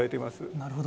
なるほど。